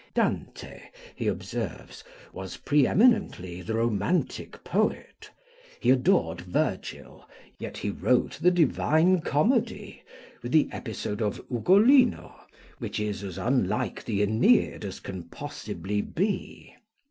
"Dante," he observes, "was pre eminently the romantic poet. He adored Virgil, yet he wrote the Divine Comedy, with the episode of Ugolino, which is as unlike the Aeneid as can possibly be.